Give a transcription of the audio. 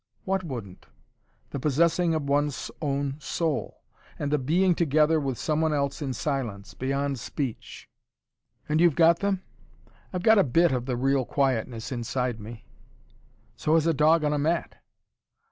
"What wouldn't?" "The possessing one's own soul and the being together with someone else in silence, beyond speech." "And you've got them?" "I've got a BIT of the real quietness inside me." "So has a dog on a mat."